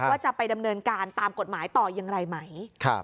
ว่าจะไปดำเนินการตามกฎหมายต่ออย่างไรไหม